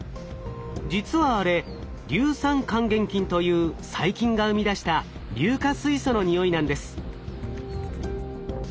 実はあれ硫酸還元菌という細菌が生み出した硫化水素のにおいなんです。